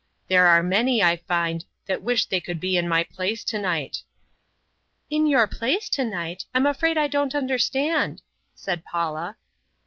There are many, I find, that wish they could be in my place tonight" "In your place tonight! I'm afraid I don't understand," said Paula.